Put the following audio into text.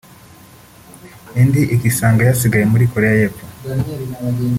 indi ikisanga yasigaye muri Koreya y’Epfo